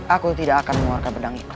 aku tidak akan mengeluarkan benang itu